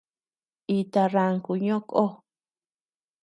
Ita ranku ñoʼo kó.